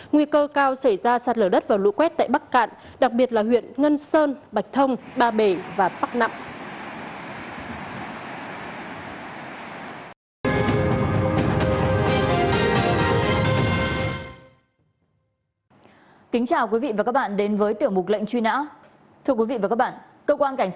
nguy cơ cao xảy ra sạt lở đất và lũ quét tại bắc cạn đặc biệt là huyện ngân sơn bạch thông ba bể và bắc nặng